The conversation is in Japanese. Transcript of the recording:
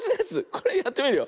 これやってみるよ。